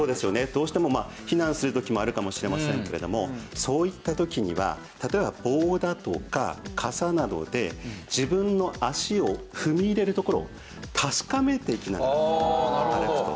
どうしてもまあ避難する時もあるかもしれませんけれどもそういった時には例えば棒だとか傘などで自分の足を踏み入れる所を確かめていきながら歩くと。